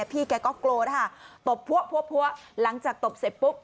พี่เคยก็โกรธนะคะตบพวะพวะพวะหลังจากตบเสร็จปุ๊บ